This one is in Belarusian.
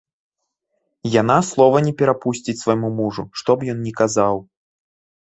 Яна слова не перапусціць свайму мужу, што б ён ні казаў.